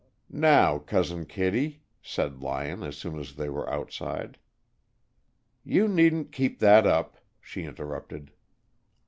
"Now, Cousin Kittie," said Lyon, as soon as they were outside. "You needn't keep that up," she interrupted.